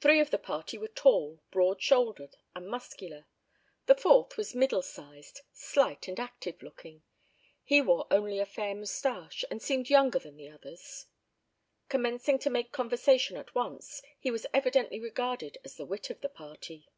Three of the party were tall, broad shouldered, and muscular; the fourth was middle sized, slight and active looking. He wore only a fair moustache, and seemed younger than the others. Commencing to make conversation at once, he was evidently regarded as the wit of the party.